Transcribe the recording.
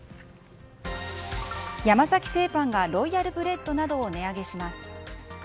山崎製パンがロイヤルブレッドなどを値上げします。